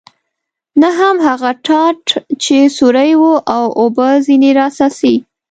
نه هم هغه ټاټ چې سوری و او اوبه ځنې را څاڅي.